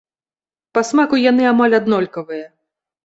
Па смаку яны амаль аднолькавыя.